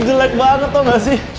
jelek banget tuh gak sih